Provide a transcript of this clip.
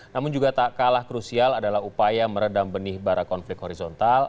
namun juga tak kalah krusial adalah upaya meredam benih bara konflik horizontal